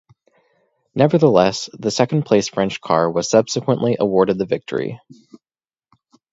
Nevertheless the second placed French car was subsequently awarded the victory.